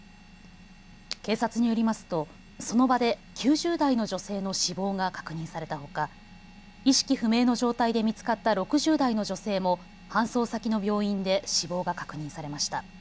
警察によりますと、その場で９０代の女性の死亡が確認されたほか意識不明の状態で見つかった６０代の女性も搬送先の病院で死亡が確認されました。